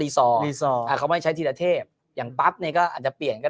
ทีศเทพวิดีโอไทยเขาใช้ข้างหลังว่าทีศเทพวิดีโอไทยเขาใช้ข้างหลังว่า